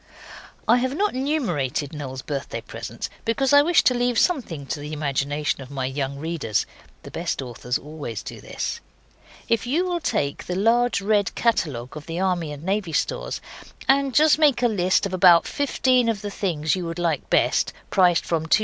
I have not numerated Noel's birthday presents because I wish to leave something to the imagination of my young readers. (The best authors always do this.) If you will take the large, red catalogue of the Army and Navy Stores, and just make a list of about fifteen of the things you would like best prices from 2s.